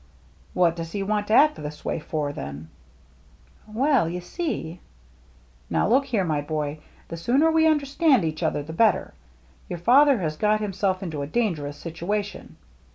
"What does he want to act this way for, then?" "Well, you see —"" Now look here, my boy. The sooner we understand each other, the better. Your father has got himself into a dangerous situation.